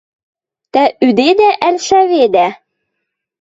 — Тӓ ӱдедӓ ӓль шаведӓ?